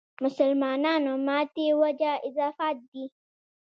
مسلمانانو ماتې وجه اضافات دي.